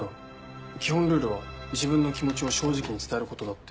基本ルールは自分の気持ちを正直に伝えることだって。